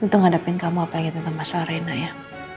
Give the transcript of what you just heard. untuk ngadepin kamu apalagi tentang masalah reina ya